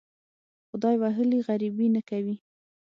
خدای وهلي غریبي نه کوي.